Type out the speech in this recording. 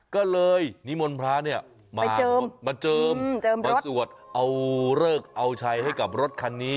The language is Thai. ก็เลยนิมนต์พระเนี่ยมาเจิมมาสวดเอาเลิกเอาชัยให้กับรถคันนี้